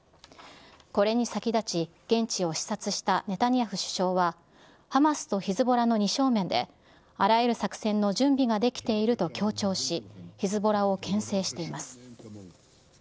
これに先立ち、現地を視察したネタニヤフ首相は、ハマスとヒズボラの二正面で、あらゆる作戦の準備ができていると強調し、ヒズボラをけん制しています。